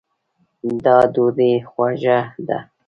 دا ډوډۍ خوږه ده